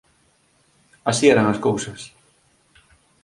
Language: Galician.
Así eran as cousas.